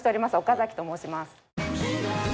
岡崎と申します